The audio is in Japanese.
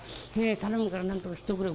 頼むからなんとかしておくれ。